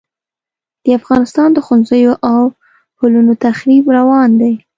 د افغانستان د ښوونځیو او پلونو تخریب روان دی.